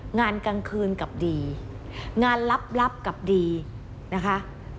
งานกลางคืนกลับดีงานลับกลับดีนะคะ